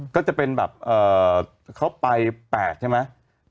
ก็จะเป็นแบบเขาไป๘ใช่ไหม